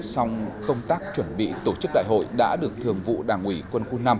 song công tác chuẩn bị tổ chức đại hội đã được thường vụ đảng quỷ quân khu năm